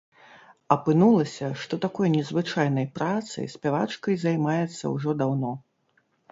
Апынулася, што такой незвычайнай працай спявачкай займаецца ўжо даўно.